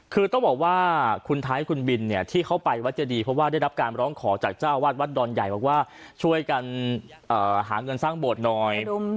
คือต้องบอกว่าคุณไทยคุณบินเนี่ยที่เขาไปวัดเจดีเพราะว่าได้รับการร้องขอจากเจ้าวาดวัดดอนใหญ่บอกว่าช่วยกันหาเงินสร้างโบสถ์หน่อย